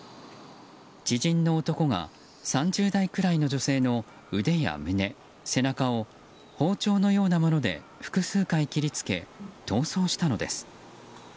知人の男が３０代くらいの女性の腕や胸、背中を包丁のようなもので複数回切りつけ逃走したのです。